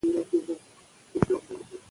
په دربار کې د هر چا خبره نه منل کېده.